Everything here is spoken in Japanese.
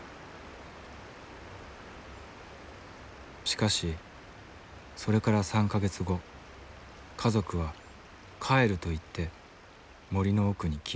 しかしそれから３か月後家族は「帰る」と言って森の奥に消えた。